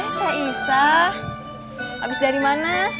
eh kak isa abis dari mana